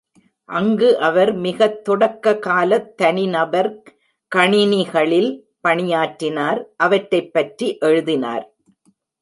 அங்கு அவர் மிகத் தொடக்க காலத் தனிநபர் கணினிகளில் பணியாற்றினார், அவற்றைப்பற்றி எழுதினார்.